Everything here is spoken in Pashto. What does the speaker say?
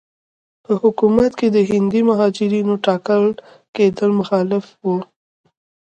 په حکومت کې د هندي مهاجرینو ټاکل کېدل مخالف وو.